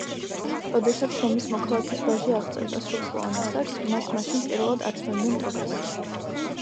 როდესაც რომის მოქალაქის ვაჟი აღწევდა სრულწლოვან ასაკს, მას მაშინ პირველად აცმევდნენ ტოგას.